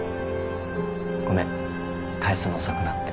ごめん返すの遅くなって。